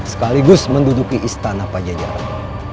sekaligus menduduki istana pajajaran